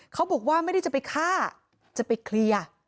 เขาบอกว่าไม่ได้จะไปฆ่าจะไปเคลียร์